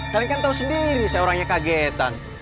kalian kan tahu sendiri saya orangnya kagetan